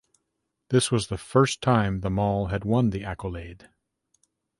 This was the first time the mall had won the accolade.